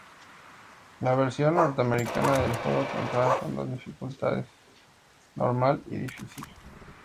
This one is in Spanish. La versión Norteamericana del juego contaba con dos dificultades: normal y difícil.